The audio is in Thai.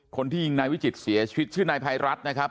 คนที่ยิงนายวิจิตเสียชีวิตชื่อนายภัยรัฐนะครับ